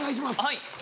はい。